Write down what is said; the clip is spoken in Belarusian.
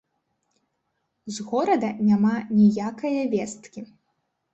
З горада няма ніякае весткі.